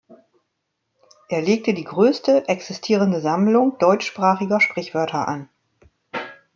Er legte die größte existierende Sammlung deutschsprachiger Sprichwörter an.